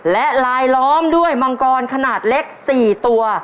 และลายล้อมด้วยมังกรขนาดเล็ก๔ตัว